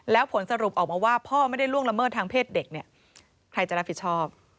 แล้วผลสรุปออกมาว่าพ่อไม่ได้ล่วงละเมิดทางเพศเด็กเนี่ยใครจะรับผิดชอบ